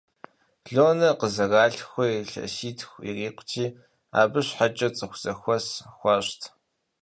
Лонэ къызэралъхурэ илъэситху ирикъути, абы щхьэкӀэ цӀыкӀу зэхуэс хуащӀт.